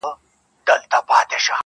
کله زيات او کله کم درپسې ژاړم,